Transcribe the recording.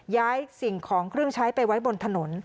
สิ่งของเครื่องใช้ไปไว้บนถนน